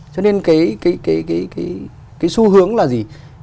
cho nên cái xu hướng là gì